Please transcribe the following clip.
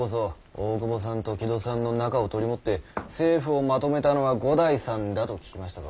大久保さんと木戸さんの仲を取り持って政府を纏めたのは五代さんだと聞きましたぞ。